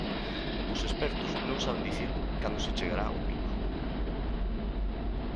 Os expertos non saben dicir cando se chegará ao pico.